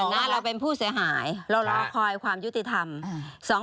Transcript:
มันมีหลายขั้น